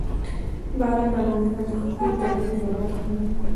باران د افغانستان د ښکلي طبیعت یوه برخه ده.